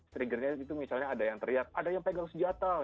triggernya itu misalnya ada yang teriak ada yang pegang senjata